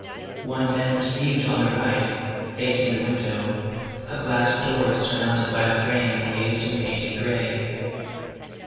One then perceived on the right, facing the window, a glass door surmounted by a frame glazed and painted gray.